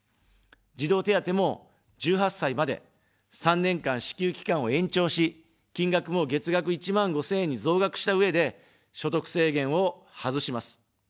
児童手当も１８歳まで、３年間支給期間を延長し、金額も月額１万５０００円に増額したうえで所得制限を外します。